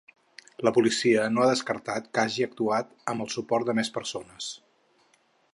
La policia no ha descartat que hagi actuat amb el suport de més persones.